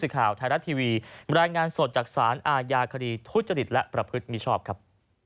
ข่าวไทยรัฐทีวีบรรยายงานสดจากสารอาญาคดีทุจริตและประพฤติมิชอบครับ